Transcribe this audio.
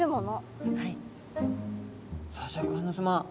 さあシャーク香音さま